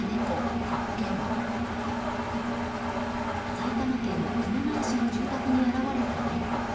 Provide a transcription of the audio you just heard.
埼玉県熊谷市の住宅に現れた猫。